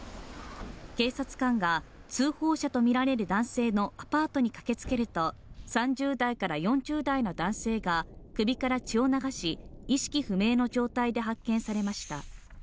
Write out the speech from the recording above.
警察官が、通報者とみられる男性のアパートに駆けつけると３０代から４０代の男性が首から血を流し意識不明の状態で発見されました。